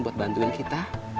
buat bantuin kita